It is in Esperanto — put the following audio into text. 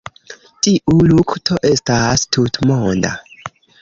Tiu lukto estas tutmonda.